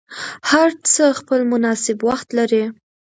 هر څه خپل مناسب وخت لري